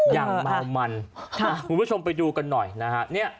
อย่างเมามันคุณผู้ชมไปดูกันหน่อยนะฮะ